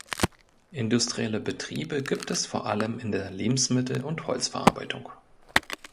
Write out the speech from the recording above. Industrielle Betriebe gibt es vor allem in der Lebensmittel- und Holzverarbeitung.